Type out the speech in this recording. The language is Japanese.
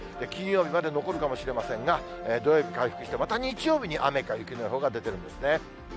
金曜日まで残るかもしれませんが、土曜日回復してまた日曜日に雨か雪の予報が出ているんですね。